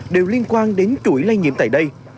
đều liên quan đến chuỗi lây nhiễm tại đây